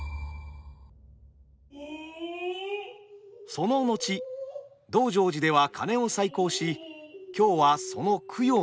その後道成寺では鐘を再興し今日はその供養の日。